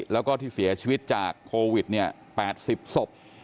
แล้วก็ที่เสียชีวิตจากโควิด๘๐ศพ